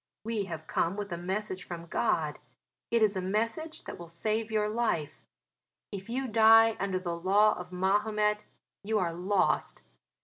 We have come with a message from God; it is a message that will save your life. If you die under the law of Mahomet you are lost.